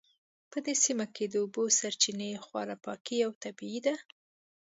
په دې سیمه کې د اوبو سرچینې خورا پاکې او طبیعي دي